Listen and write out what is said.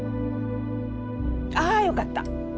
あよかった。